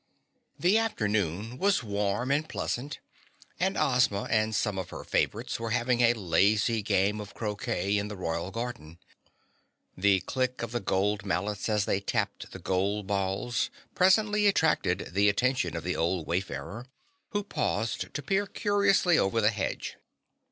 The afternoon was warm and pleasant, and Ozma and some of her favorites were having a lazy game of croquet in the royal garden. The click of the gold mallets as they tapped the gold balls presently attracted the attention of the old wayfarer, who paused to peer curiously over the hedge.